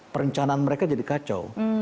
perencanaan mereka jadi kacau